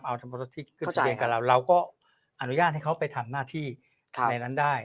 เอาธรรมที่ขึ้นทะเบียนกับเราเราก็อนุญาตให้เขาไปทำหน้าที่ในนั้นได้